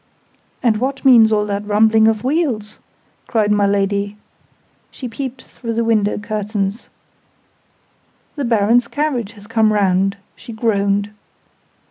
"And what means all that rumbling of wheels?" cried my Lady. She peeped through the window curtains. "The Baron's carriage has come round!" she groaned.